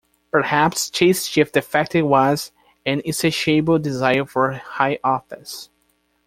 Perhaps Chase's chief defect was an insatiable desire for high office.